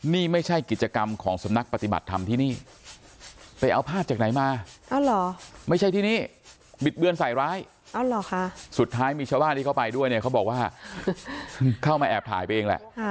นี่ไม่ใช่กิจกรรมของสำนักปฏิบัติธรรมที่นี่ไปเอาภาพจากไหนมาไม่ใช่ที่นี่บิดเบือนใส่ร้ายสุดท้ายมีชาวบ้านที่เขาไปด้วยเนี่ยเขาบอกว่าเข้ามาแอบถ่ายไปเองแหละ